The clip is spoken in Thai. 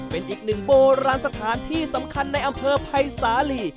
เป็นอีกหนึ่งโบราณสถานที่สำคัญในอำเภอภัยสาลี